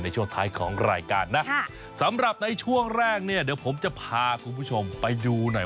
ในช่วงท้ายของรายการนะสำหรับในช่วงแรกเนี่ยเดี๋ยวผมจะพาคุณผู้ชมไปดูหน่อย